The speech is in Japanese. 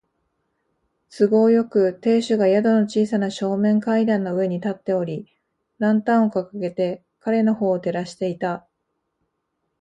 都合よく、亭主が宿の小さな正面階段の上に立っており、ランタンをかかげて彼のほうを照らしていた。